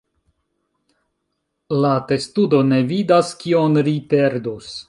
La testudo ne vidas kion ri perdus.